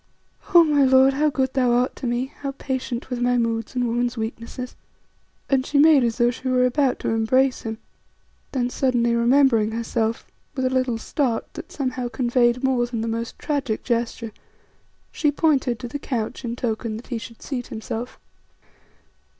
"Oh! my lord, how good thou art to me, how patient with my moods and woman's weaknesses," and she made as though she were about to embrace him. Then suddenly remembering herself, with a little start that somehow conveyed more than the most tragic gesture, she pointed to the couch in token that he should seat himself.